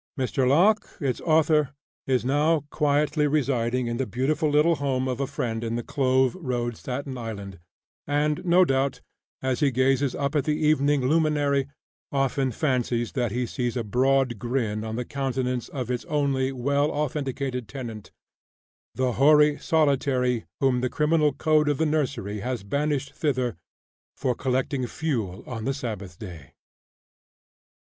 Mr. Locke, its author, is now quietly residing in the beautiful little home of a friend on the Clove Road, Staten Island, and no doubt, as he gazes up at the evening luminary, often fancies that he sees a broad grin on the countenance of its only well authenticated tenant, "the hoary solitary whom the criminal code of the nursery has banished thither for collecting fuel on the Sabbath day."